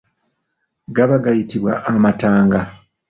Gaba gayitibwa amatanga.